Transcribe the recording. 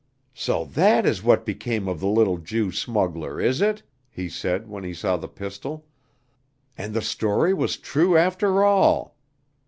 "So that is what became of the little Jew smuggler, is it?" he said when he saw the pistol; "and the story was true after all!